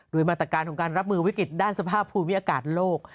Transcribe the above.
มาตรการของการรับมือวิกฤตด้านสภาพภูมิอากาศโลก